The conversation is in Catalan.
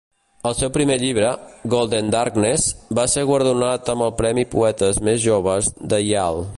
El seu primer llibre, "Golden Darkness", va ser guardonat amb el premi Poetes més joves de Yale.